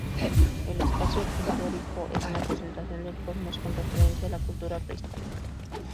El Espacio Escultórico es una representación del cosmos con referencia a la cultura prehispánica.